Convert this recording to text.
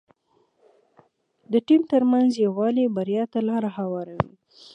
د ټيم ترمنځ یووالی بریا ته لاره هواروي.